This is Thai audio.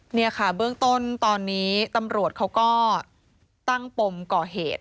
นี่ค่ะเบื้องต้นตอนนี้ตำรวจเขาก็ตั้งปมก่อเหตุ